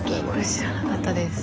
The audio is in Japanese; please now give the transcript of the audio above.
知らなかったです。